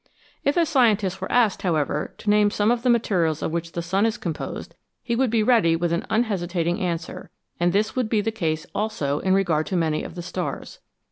If a scientist were asked, however, to name some of the materials of which the sun is composed, he would be ready with an unhesitating answer, and this would be the case also in regard to many of the stars.